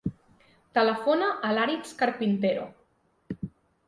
Telefona a l'Aritz Carpintero.